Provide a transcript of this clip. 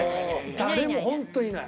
誰もホントいない。